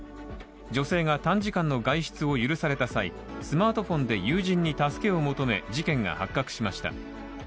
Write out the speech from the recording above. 女性が短時間の外出を許された際、スマートフォンで友人に助けを求め事件が発覚しました。